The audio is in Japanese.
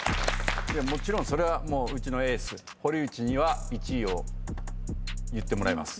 もちろんそれはもううちのエース堀内には１位を言ってもらいます。